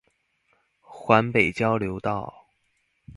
環北交流道